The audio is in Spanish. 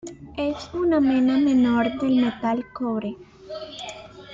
Es una mena menor del metal cobre.